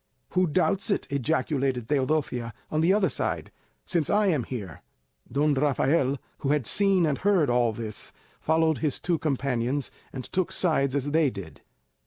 "Who doubts it," ejaculated Teodosia, on the other side, "since I am here?" Don Rafael, who had seen and heard all this, followed his two companions, and took sides as they did.